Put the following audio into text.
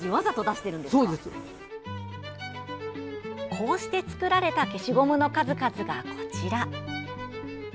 こうして作られた消しゴムの数々がこちら。